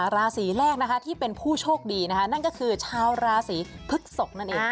ราศีแรกนะคะที่เป็นผู้โชคดีนะคะนั่นก็คือชาวราศีพฤกษกนั่นเอง